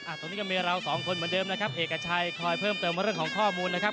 ตรงนี้ก็มีเราสองคนเหมือนเดิมนะครับเอกชัยคอยเพิ่มเติมเรื่องของข้อมูลนะครับ